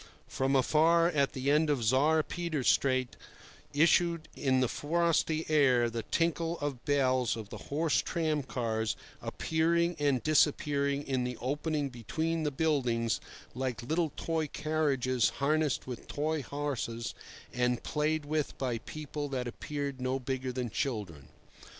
From afar at the end of Tsar Peter Straat, issued in the frosty air the tinkle of bells of the horse tramcars, appearing and disappearing in the opening between the buildings, like little toy carriages harnessed with toy horses and played with by people that appeared no bigger than children.